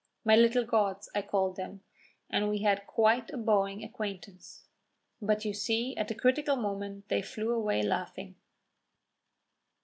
My little gods, I called them, and we had quite a bowing acquaintance. But you see at the critical moment they flew away laughing."